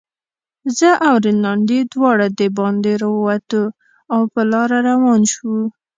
زه او رینالډي دواړه دباندې راووتو، او په لاره روان شوو.